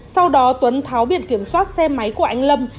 sau đó tuấn tháo biển kiểm soát xe máy của anh lâm